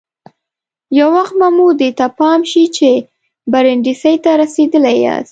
یو وخت به مو دې ته پام شي چې برېنډېسي ته رسېدلي یاست.